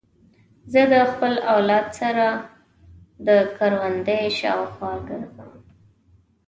زه د خپل اولاد سره د کوروندې شاوخوا ګرځم.